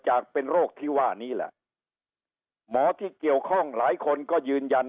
จากเป็นโรคที่ว่านี้แหละหมอที่เกี่ยวข้องหลายคนก็ยืนยัน